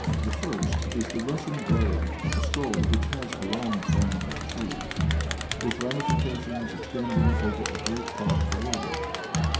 The first is the Russian variant of a story which has a long family tree, with ramifications extending over a great part of the world.